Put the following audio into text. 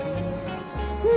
うん。